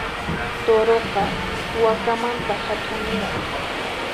Turuqa, wakamanta hatunniraq.